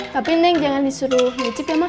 tapi neng jangan disuruh ngecek ya mah